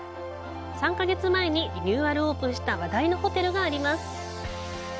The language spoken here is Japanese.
３か月前にリニューアルオープンした話題のホテルがあります。